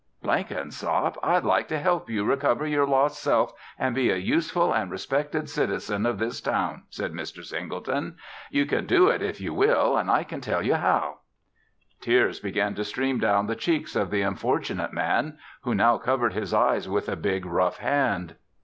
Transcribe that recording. '" "Blenkinsop, I'd like to help you to recover your lost Self and be a useful and respected citizen of this town," said Mr. Singleton. "You can do it if you will and I can tell you how." Tears began to stream down the cheeks of the unfortunate man, who now covered his eyes with a big, rough hand.